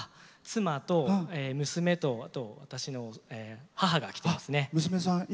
妻と娘と、私の母が来てますね。